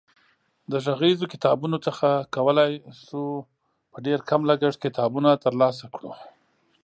د غږیزو کتابتونونو څخه کولای شو په ډېر کم لګښت کتابونه ترلاسه کړو.